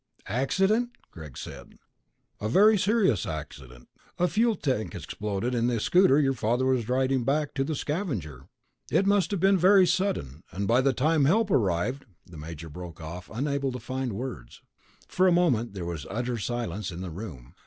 "Accident?" Greg said. "A very serious accident. A fuel tank exploded in the scooter your father was riding back to the Scavenger. It must have been very sudden, and by the time help arrived...." The major broke off, unable to find words. For a long moment there was utter silence in the room.